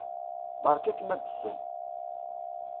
Beṛka-kem abessel.